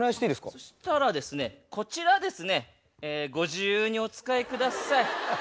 そしたらですねこちらですねご自由にお使い下さい。